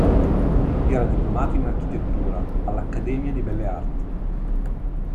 Era diplomato in architettura all'Accademia di belle arti.